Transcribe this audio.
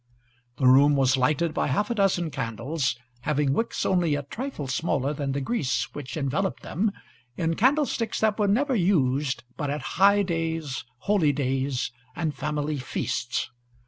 The room was lighted by half a dozen candles, having wicks only a trifle smaller than the grease which enveloped them, in sticks that were never used but at high days, holy days, and family feasts.